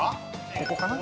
ここかな？